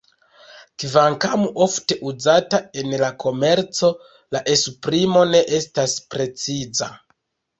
Kvankam ofte uzata en la komerco la esprimo ne estas preciza.